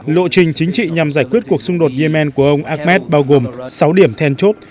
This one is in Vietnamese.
lộ trình chính trị nhằm giải quyết cuộc xung đột yemen của ông ahmed bao gồm sáu điểm then chốt